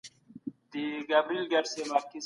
کمپيوټر بازۍ سټريم کوي.